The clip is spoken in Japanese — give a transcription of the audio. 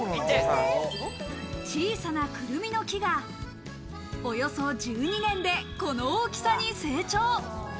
小さなくるみの木が、およそ１２年でこの大きさに成長。